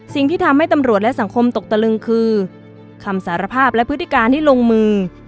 สิ่งที่ทำให้ตำรวจและสังคมตกตะลึงคือคำสารภาพและพฤติการที่ลงมือ